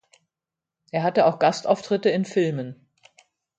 Er hatte auch Gastauftritte in Filmen.